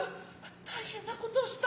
大変なことをした。